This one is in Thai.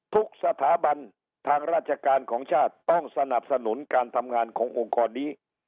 ทุกสถาบันทางราชการของชาติต้องสนับสนุนการทำงานขององค์กรนี้